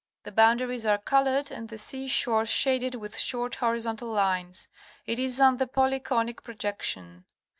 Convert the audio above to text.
The boundaries are colored and the sea shore shaded with short hori zontal lines. It is on the polyconic projection.